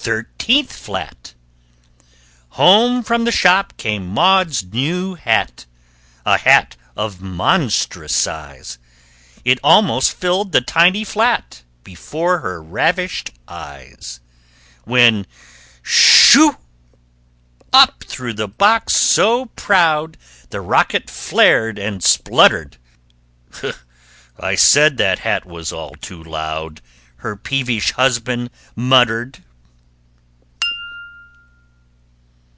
[Illustration: TWELFTH FLAT] THIRTEENTH FLAT Home from the shop came Maud's new hat A hat of monstrous size! It almost filled the tiny flat Before her ravished eyes. When, sch u u! up through the box so proud The rocket flared and spluttered. "I said that hat was all too loud!" Her peevish husband muttered.